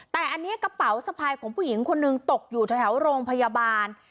แต่อันนี้กระเป๋าสะพายของผู้หญิงคนหนึ่งตกอยู่แถวโรงพยาบาล